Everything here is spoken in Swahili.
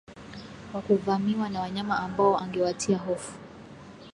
wa kuvamiwa na wanyama ambao angewatia hofu